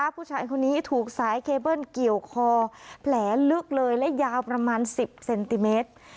ผู้ชายคนนี้ถูกสายเคเบิ้ลเกี่ยวคอแผลลึกเลยและยาวประมาณ๑๐เซนติเมตร